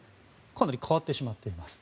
かなり変わってしまっています。